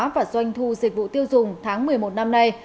và doanh thu dịch vụ tiêu dùng tháng một mươi một năm nay